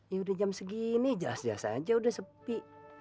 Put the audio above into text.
ya udah jam segini jelas biasa aja udah sepi